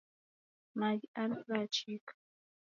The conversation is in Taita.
Maghi ana ghachika.